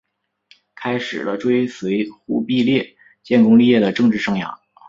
开始了追随忽必烈建功立业的政治生涯。